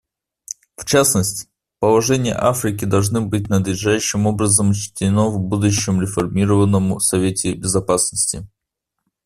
В частности, положение Африки должно быть надлежащим образом учтено в будущем реформированном Совете Безопасности.